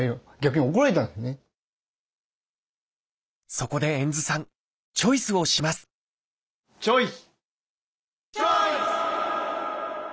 そこで遠津さんチョイスをしますチョイス！